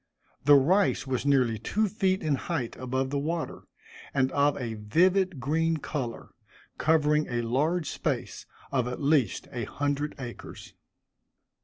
The rice was nearly two feet in height above the water, and of a vivid green color, covering a large space, of at least a hundred acres.